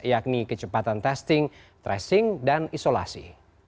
yakni kecepatan testing tracing dan isolasi